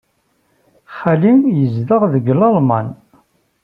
Xali yezdeɣ deg Lalman.